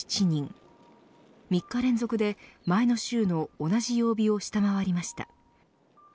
３日連続で前の週の同じ曜日を下回りました。